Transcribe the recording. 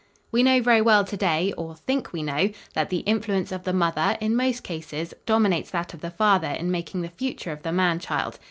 We know very well to day, or think we know, that the influence of the mother, in most cases, dominates that of the father in making the future of the man child.